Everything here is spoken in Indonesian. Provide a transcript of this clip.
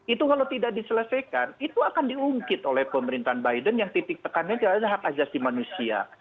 itu kalau tidak diselesaikan itu akan diungkit oleh pemerintahan biden yang titik tekannya tidak hanya hak ajasi manusia